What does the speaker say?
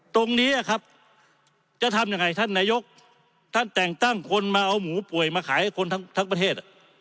ตรงนี้ครับจะทำยังไงท่านนายกท่านแต่งตั้งคนมาเอาหมูป่วยมาขายให้คนทั้งประเทศ